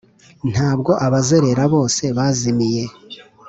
ntabwo abazerera bose bazimiye.